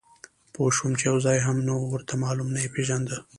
پوه شوم چې یو ځای هم نه و ورته معلوم، نه یې پېژانده.